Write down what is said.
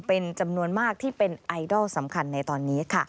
เป็นจำนวนมากที่เป็นไอดอลสำคัญในตอนนี้ค่ะ